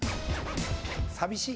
寂しい。